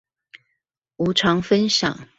無償分享